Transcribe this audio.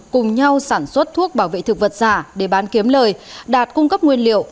cùng nhau sản xuất thuốc bảo vệ thực vật giả để bán kiếm lời đạt cung cấp nguyên liệu